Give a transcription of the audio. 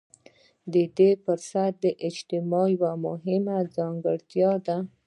د دې فرضي اجتماع یوه مهمه ځانګړتیا ده.